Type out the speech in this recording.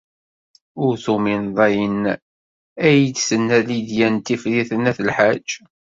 Ur tumineḍ ayen ay d-tenna Lidya n Tifrit n At Lḥaǧ.